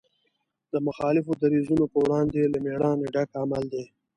د مخالفو دریځونو په وړاندې له مېړانې ډک عمل دی.